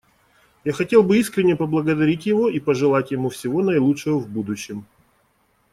Я хотел бы искренне поблагодарить его и пожелать ему всего наилучшего в будущем.